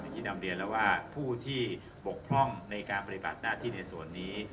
ที่นำเรียนแล้วว่าผู้ที่บกพร่องในการปฏิบัติหน้าที่ในส่วนนี้